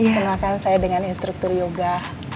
kenalkan saya dengan instruktur yoga